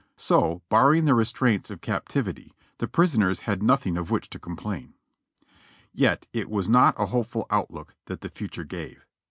So. bar ring the restraints of captivity, the prisoners liad nothing of which to complain. Yet it was not a hopeful outlook that the future gave.